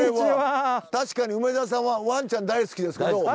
確かに梅沢さんはワンちゃん大好きですけど。